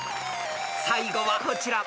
［最後はこちら］